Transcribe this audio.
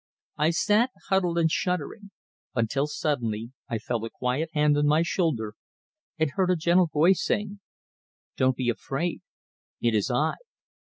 I sat, huddled and shuddering; until suddenly I felt a quiet hand on my shoulder, and heard a gentle voice saying: "Don't be afraid. It is I."